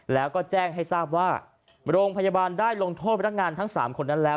แล้วก็แจ้งให้ทราบว่าโรงพยาบาลได้ลงโทษพนักงานทั้ง๓คนนั้นแล้ว